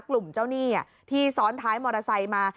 กลุ่มเจ้าหนี้ที่ซ้อนท้ายมอเตอร์ไซค์มา